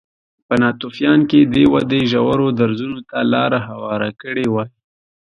په ناتوفیان کې دې ودې ژورو درزونو ته لار هواره کړې وای